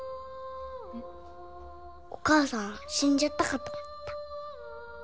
おかあさん死んじゃったかと思った。